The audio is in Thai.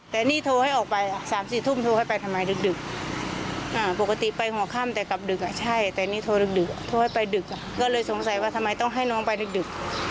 แต่นี่โทรให้ออกไป๓๔ทุ่มโทรให้ไปทำไมดึกปกติไปหัวค่ำแต่กลับดึกใช่แต่นี่โทรดึกโทรให้ไปดึกก็เลยสงสัยว่าทำไมต้องให้น้องไปดึก